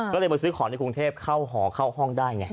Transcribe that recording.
ก็เลยมาซื้อของในกรุงเทพเข้าหอเข้าห้องได้ไง